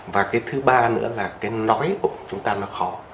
và cái thứ ba nữa là cái nói của chúng ta nó khó